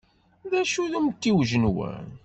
D acu-t umtiweg-nwen?